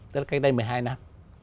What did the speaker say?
tức là cách đây một mươi hai năm